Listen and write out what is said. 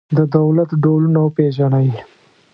د دولت ډولونه وپېژنئ.